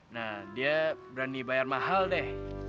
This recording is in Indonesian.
nah dia berani bayar mahal deh